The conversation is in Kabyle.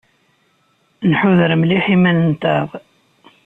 Nḥuder mliḥ iman-nteɣ.